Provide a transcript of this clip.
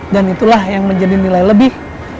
dan itulah yang menjadi nilai lebih